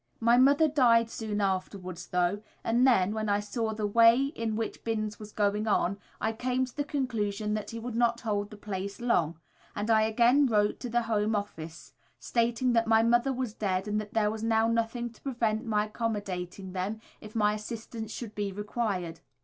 My mother died soon afterwards, though, and then, when I saw the way in which Binns was going on, I came to the conclusion that he would not hold the place long, and I again wrote to the Home Office stating that my mother was dead and that there was nothing now to prevent my accommodating them if my assistance should be required.